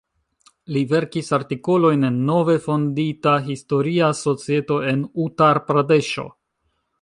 Li verkis artikolojn en nove fondita Historia Societo en Utar-Pradeŝo.